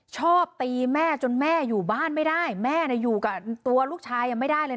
ชอบตีแม่จนแม่อยู่บ้านไม่ได้แม่อยู่กับตัวลูกชายยังไม่ได้เลย